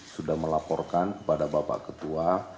sudah melaporkan kepada bapak ketua